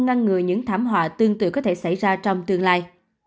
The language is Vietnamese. ngăn ngừa những thảm họa tương tự có thể xảy ra trong tương lai